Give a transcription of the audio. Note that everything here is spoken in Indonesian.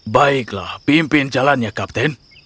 baiklah pimpin jalannya kapten